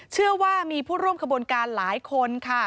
เชื่อว่ามีผู้ร่วมขบวนการหลายคนค่ะ